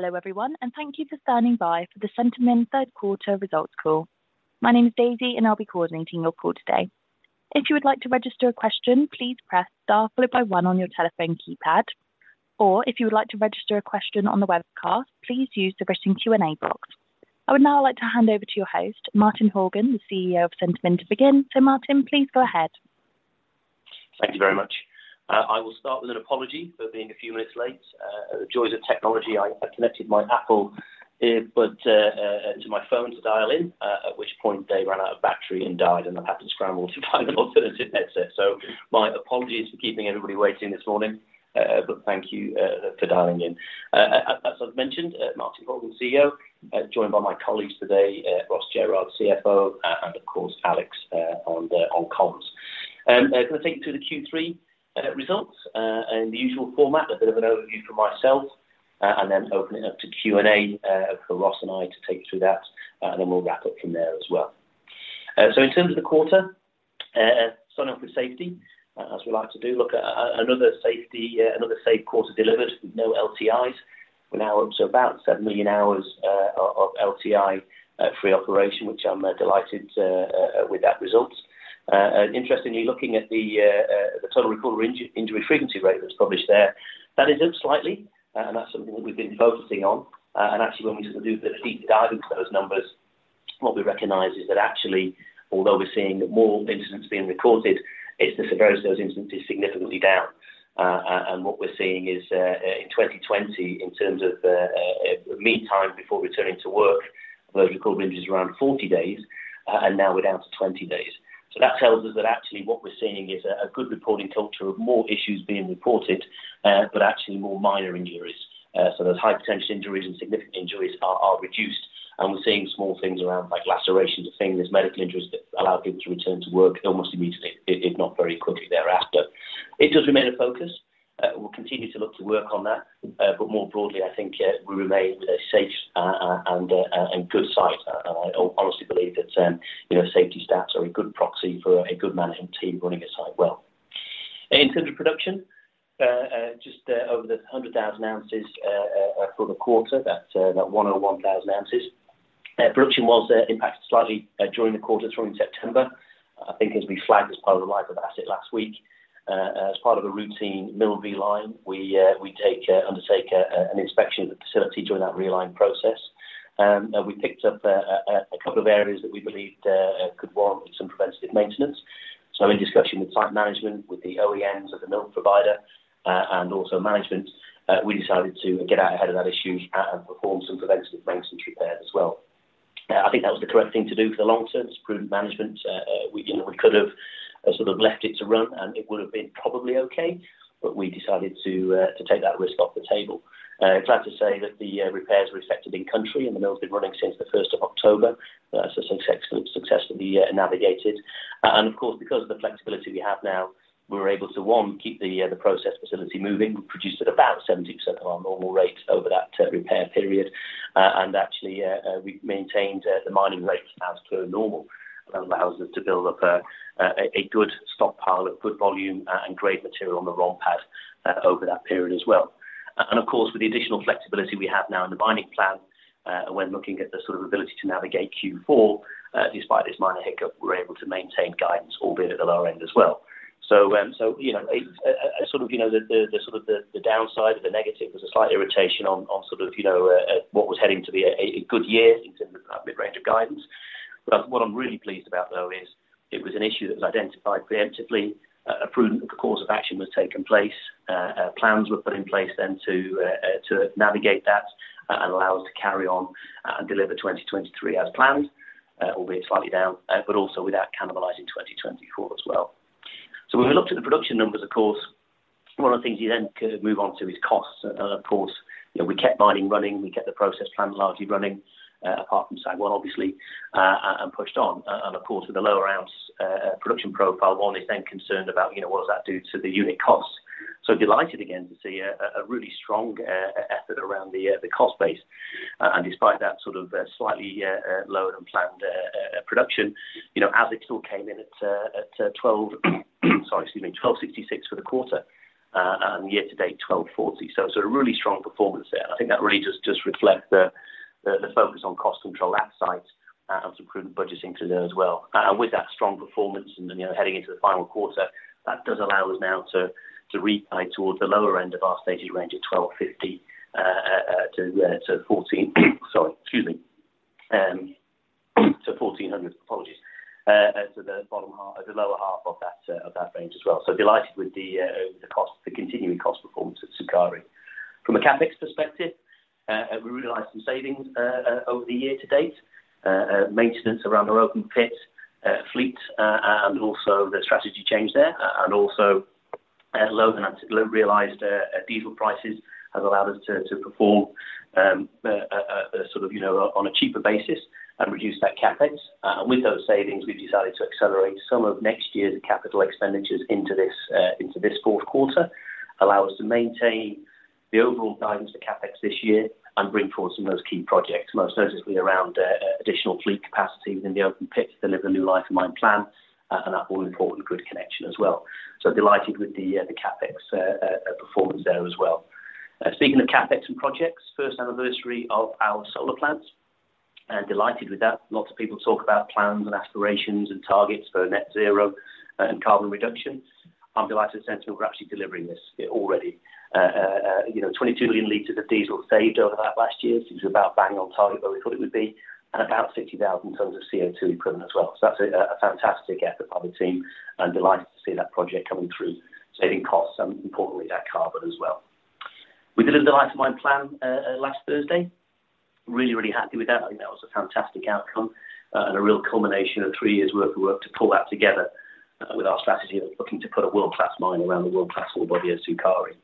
Hello, everyone, and thank you for standing by for the Centamin Q3 results call. My name is Daisy, and I'll be coordinating your call today. If you would like to register a question, please press star followed by one on your telephone keypad, or if you would like to register a question on the webcast, please use the written Q&A box. I would now like to hand over to your host, Martin Horgan, the CEO of Centamin, to begin. Martin, please go ahead. Thank you very much. I will start with an apology for being a few minutes late. The joys of technology. I connected my Apple buds to my phone to dial in, at which point they ran out of battery and died, and I've had to scramble to find an alternative headset. So my apologies for keeping everybody waiting this morning, but thank you for dialing in. As I've mentioned, Martin Horgan, CEO, joined by my colleagues today, Ross Jerrard, CFO, and of course, Alex on comms. I'm going to take you through the Q3 results in the usual format, a bit of an overview from myself, and then open it up to Q&A for Ross and I to take you through that, and then we'll wrap up from there as well. So in terms of the quarter, starting off with safety, as we like to do, look, another safe quarter delivered with no LTIs. We're now up to about 7 million hours of LTI-free operation, which I'm delighted with that result. Interestingly, looking at the total recordable injury frequency rate that's published there, that is up slightly, and that's something that we've been focusing on. Actually, when we sort of do a bit of deep dive into those numbers, what we recognize is that actually, although we're seeing more incidents being recorded, it's the severity of those incidents is significantly down. What we're seeing is, in 2020, in terms of mean time before returning to work, those recordable injuries around 40 days, and now we're down to 20 days. So that tells us that actually what we're seeing is a good reporting culture of more issues being reported, but actually more minor injuries. So those high potential injuries and significant injuries are reduced, and we're seeing small things around, like lacerations of fingers, medical injuries that allow people to return to work almost immediately, if not very quickly thereafter. It does remain a focus. We'll continue to look to work on that, but more broadly, I think, we remain a safe, and good site. And I honestly believe that, you know, safety stats are a good proxy for a good management team running a site well. In terms of production, just over 100,000 ounces for the quarter, that's about 101,000 ounces. Production was impacted slightly during the quarter, during September. I think as we flagged as part of the Life of Asset last week, as part of a routine mill reline, we undertake an inspection of the facility during that reline process. We picked up a couple of areas that we believed could warrant some preventative maintenance. So in discussion with site management, with the OEMs of the mill provider, and also management, we decided to get out ahead of that issue and perform some preventative maintenance and repairs as well. I think that was the correct thing to do for the long term. It's prudent management. We, you know, we could have sort of left it to run, and it would have been probably okay, but we decided to take that risk off the table. I'm glad to say that the repairs were effective in country and the mill's been running since the first of October. So successfully, successfully, navigated. And of course, because of the flexibility we have now, we were able to, one, keep the process facility moving. We produced at about 70% of our normal rate over that repair period, and actually, we've maintained the mining rates as per normal. And allows us to build up a good stockpile of good volume and great material on the ROM pad over that period as well. And of course, with the additional flexibility we have now in the mining plan, when looking at the sort of ability to navigate Q4, despite this minor hiccup, we're able to maintain guidance, albeit at the lower end as well. So, you know, a sort of the downside or the negative was a slight irritation on sort of, you know, what was heading to be a good year in terms of mid-range of guidance. But what I'm really pleased about, though, is it was an issue that was identified preemptively, a prudent course of action was taken place, plans were put in place then to navigate that, and allow us to carry on, and deliver 2023 as planned, albeit slightly down, but also without cannibalizing 2024 as well. So when we looked at the production numbers, of course, one of the things you then could move on to is costs. And of course, you know, we kept mining running, we kept the process plant largely running, apart from SAG mill, obviously, and pushed on. And of course, with the lower ounce production profile, one is then concerned about, you know, what does that do to the unit costs? So delighted again to see a really strong effort around the cost base. And despite that sort of slightly lower than planned production, you know, AISCs still came in at $1,266 for the quarter and year to date, $1,240. So a really strong performance there, and I think that really just reflect the focus on cost control at site and some prudent budgeting there as well. With that strong performance and, you know, heading into the final quarter, that does allow us now to replan towards the lower end of our stated range of $1,250-$1,400. Sorry, excuse me, to $1,400, apologies, to the bottom half, the lower half of that, of that range as well. So delighted with the, the cost, the continuing cost performance at Sukari. From a CapEx perspective, we realized some savings, over the year to date, maintenance around our open pit, fleet, and also the strategy change there, and also, low and particularly realized, diesel prices have allowed us to, to perform, sort of, you know, on a cheaper basis and reduce that CapEx. With those savings, we've decided to accelerate some of next year's capital expenditures into this, into this Q4, allow us to maintain the overall guidance of CapEx this year and bring forward some of those key projects, most noticeably around, additional fleet capacity within the open pit, Life of Mine Plan, and that all-important grid connection as well. So delighted with the, the CapEx, performance there as well. Speaking of CapEx and projects, first anniversary of our solar plants, and delighted with that. Lots of people talk about plans and aspirations and targets for net zero, and carbon reduction. I'm delighted to say we're actually delivering this already. You know, 22 million liters of diesel saved over that last year. So it's about bang on target where we thought it would be, and about 60,000 tons of CO2 equivalent as well. So that's a fantastic effort by the team and delighted to see that project coming through, saving costs and importantly, that carbon as well. We delivered the Life of Mine Plan last Thursday. Really, really happy with that. I think that was a fantastic outcome, and a real culmination of three years' worth of work to pull that together, with our strategy of looking to put a world-class mine around the world-class ore body at Sukari.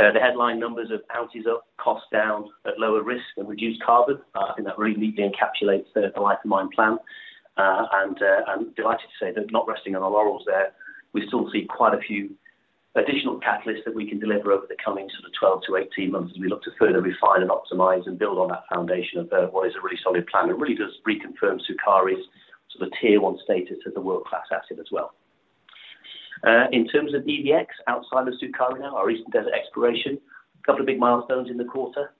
The headline numbers of ounces up, cost down at lower risk and reduced carbon, I think that really neatly encapsulates the Life of Mine Plan. And, I'm delighted to say that not resting on our laurels there, we still see quite a few additional catalysts that we can deliver over the coming sort of 12-18 months as we look to further refine and optimize and build on that foundation of what is a really solid plan. It really does reconfirm Sukari's sort of tier one status as a world-class asset as well. In terms of EDX, outside of Sukari now, our Eastern Desert Exploration, a couple of big milestones in the quarter.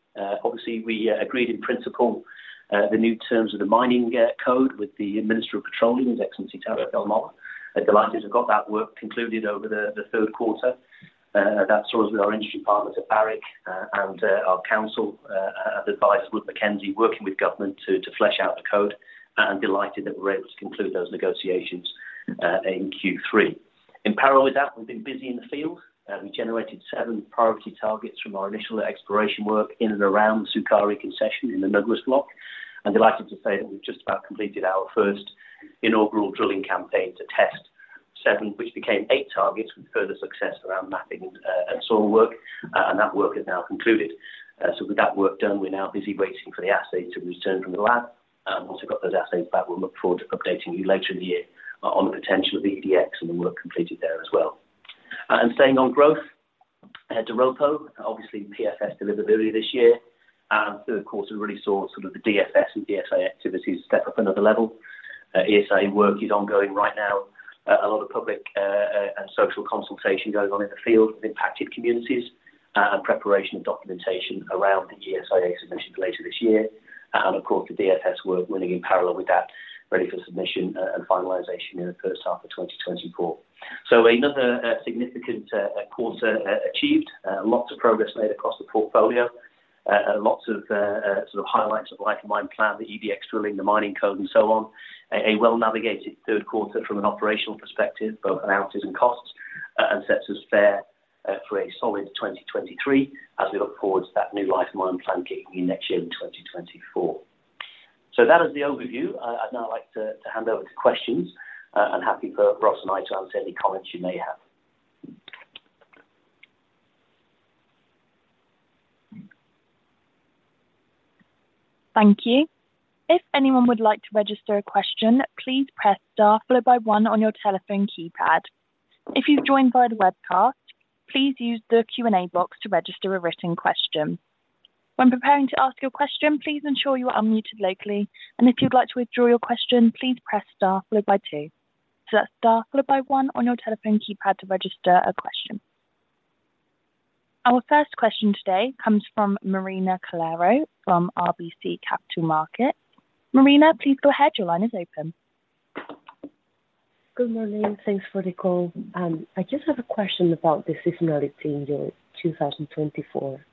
Obviously, we agreed in principle the new terms of the mining code with the Ministry of Petroleum, His Excellency, Tarek El Molla. Delighted to have got that work concluded over the Q3. That saw us with our industry partners at Barrick, and our counsel advice with McKinsey, working with government to flesh out the code, and delighted that we're able to conclude those negotiations in Q3. In parallel with that, we've been busy in the field. We generated seven priority targets from our initial exploration work in and around Sukari concession in the Nugrus Block. I'm delighted to say that we've just about completed our first inaugural drilling campaign to test seven, which became eight targets with further success around mapping, and soil work, and that work is now concluded. So with that work done, we're now busy waiting for the assay to return from the lab. Once we've got those assays back, we'll look forward to updating you later in the year on the potential of EDX and the work completed there as well. Staying on growth, at Doropo, obviously, PFS deliverability this year, and of course, we really saw sort of the DFS and ESIA activities step up another level. ESIA work is ongoing right now. A lot of public and social consultation going on in the field with impacted communities, and preparation of documentation around the ESIA submission later this year. And of course, the DFS work running in parallel with that, ready for submission and finalization in the first half of 2024. So another significant quarter achieved, lots of progress made across the portfolio, lots of sort of highlights of Life of Mine Plan, the EDX drilling, the mining code, and so on. A well-navigated Q3 from an operational perspective, both on ounces and costs, and sets us fair for a solid 2023 as we look forward to that new Life of Mine Plan kicking in next year in 2024. So that is the overview. I'd now like to hand over to questions, and happy for Ross and I to answer any comments you may have. Thank you. If anyone would like to register a question, please press star followed by one on your telephone keypad. If you've joined via the webcast, please use the Q&A box to register a written question. When preparing to ask your question, please ensure you are unmuted locally, and if you'd like to withdraw your question, please press star followed by two. So that's star followed by one on your telephone keypad to register a question. Our first question today comes from Marina Calero from RBC Capital Markets. Marina, please go ahead. Your line is open. Good morning. Thanks for the call. I just have a question about the seasonality in your 2024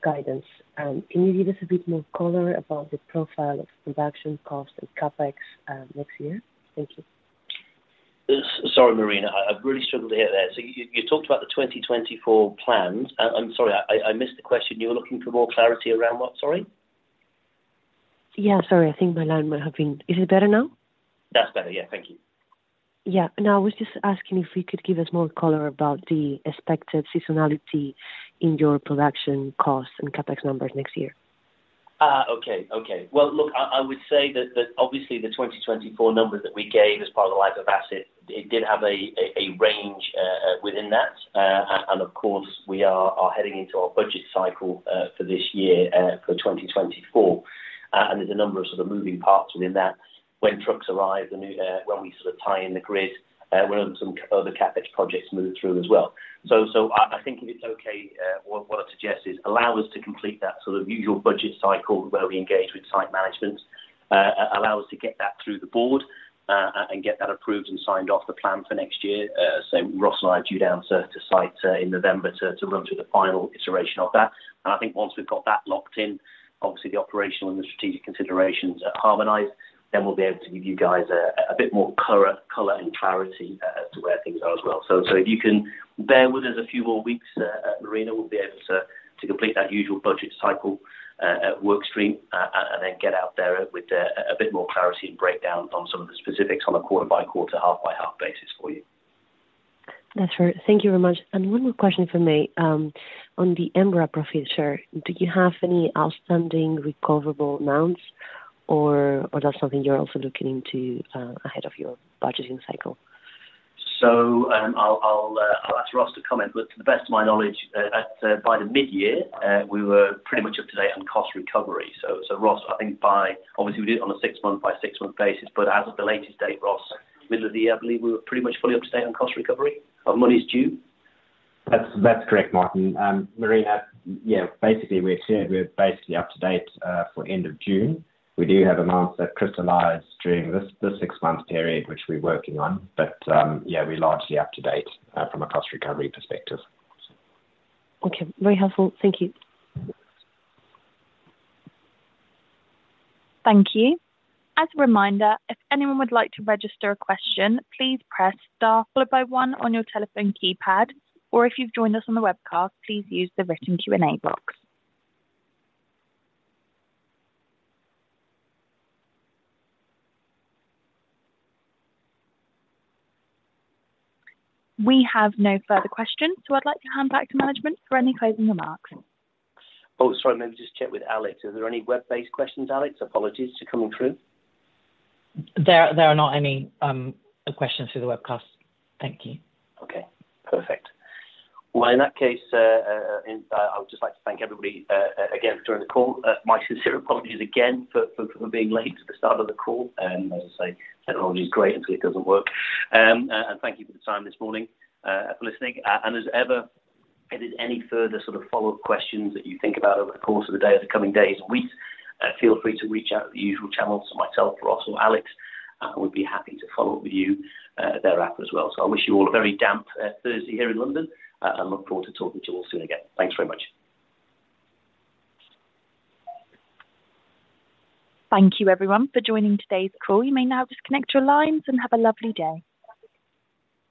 guidance. Can you give us a bit more color about the profile of production cost and CapEx next year? Thank you. Sorry, Marina, I've really struggled to hear that. So you talked about the 2024 plans. I'm sorry, I missed the question. You were looking for more clarity around what, sorry? Yeah, sorry. I think my line might have been... Is it better now? That's better, yeah. Thank you. Yeah. No, I was just asking if you could give us more color about the expected seasonality in your production costs and CapEx numbers next year? Okay. Okay. Well, look, I would say that obviously the 2024 numbers that we gave as part of the life of asset, it did have a range within that. And of course, we are heading into our budget cycle for this year, for 2024. And there's a number of sort of moving parts within that. When trucks arrive, the new, when we sort of tie in the grid, when some other CapEx projects move through as well. So I think if it's okay, what I'd suggest is allow us to complete that sort of usual budget cycle where we engage with site management. Allow us to get that through the board, and get that approved and signed off the plan for next year. So Ross and I are due down to site in November to run through the final iteration of that. And I think once we've got that locked in, obviously the operational and the strategic considerations are harmonized, then we'll be able to give you guys a bit more color and clarity as to where things are as well. So if you can bear with us a few more weeks, Marina, we'll be able to complete that usual budget cycle work stream, and then get out there with a bit more clarity and breakdown on some of the specifics on a quarter by quarter, half by half basis for you. That's fair. Thank you very much. One more question from me. On the EMRA profit share, do you have any outstanding recoverable amounts or, or that's something you're also looking into ahead of your budgeting cycle? I'll ask Ross to comment, but to the best of my knowledge, by the midyear, we were pretty much up to date on cost recovery. So, Ross, I think by obviously, we did it on a six-month by six-month basis, but as of the latest date, Ross, middle of the year, I believe we were pretty much fully up to date on cost recovery of monies due. That's, that's correct, Martin. Marina, yeah, basically, we're clear. We're basically up to date for end of June. We do have amounts that crystallized during this, this six-month period, which we're working on, but yeah, we're largely up to date from a cost recovery perspective. Okay. Very helpful. Thank you. We have no further questions, so I'd like to hand back to management for any closing remarks. Oh, sorry. Let me just check with Alex. Are there any web-based questions, Alex? Apologies for coming through. There are not any questions through the webcast. Thank you. Okay, perfect. Well, in that case, I would just like to thank everybody again for joining the call. My sincere apologies again for being late to the start of the call, and as I say, technology is great, until it doesn't work. And thank you for the time this morning for listening. And as ever, if there's any further sort of follow-up questions that you think about over the course of the day, or the coming days and weeks, feel free to reach out to the usual channels to myself, Ross, or Alex, and we'd be happy to follow up with you thereafter as well. So I wish you all a very damp Thursday here in London, and look forward to talking to you all soon again. Thanks very much. Thank you, everyone, for joining today's call. You may now disconnect your lines and have a lovely day.